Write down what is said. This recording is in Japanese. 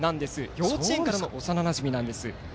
幼稚園からの幼なじみなんです。